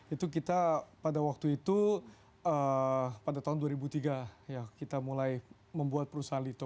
itu kita pada waktu itu pada tahun dua ribu tiga kita mulai membuat perusahaan lito